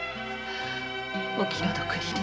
お気の毒にね。